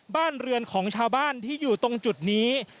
บ้านเรือนของชาวบ้านที่อยู่ตรงจุดนี้